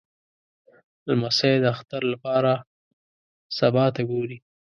لمسی د اختر لپاره سبا ته ګوري.